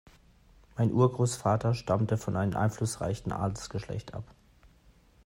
Mein Urgroßvater stammte von einem einflussreichen Adelsgeschlecht ab.